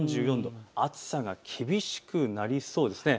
暑さが厳しくなりそうです。